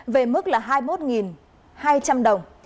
về mức là hai mươi một hai trăm linh đồng